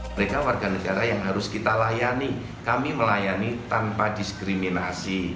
mereka warga negara yang harus kita layani kami melayani tanpa diskriminasi